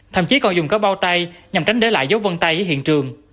thậm chí còn dùng có bao tay nhằm tránh để lại dấu vân tay ở hiện trường